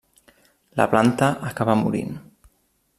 La planta acaba morint.